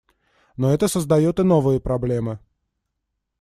Но это создает и новые проблемы.